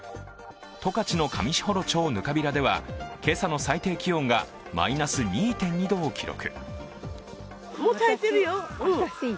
十勝の上士幌町糠平では今朝の最低気温がマイナス２．２度を記録。